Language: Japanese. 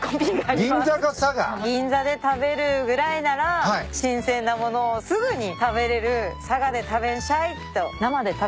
銀座で食べるぐらいなら新鮮な物をすぐに食べれる佐賀で食べんしゃいと。